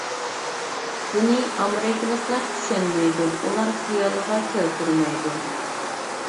بۇنى ئامېرىكىلىقلار چۈشەنمەيدۇ، ئۇلار خىيالىغا كەلتۈرمەيدۇ.